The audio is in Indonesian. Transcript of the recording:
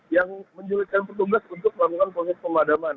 yang menculikan petugas untuk melakukan proses pemadaman